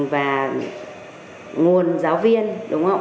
và nguồn giáo viên đúng không